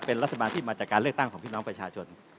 เป็นรัฐบาลที่มาจากการเลือกตั้งของพี่น้องประชาชน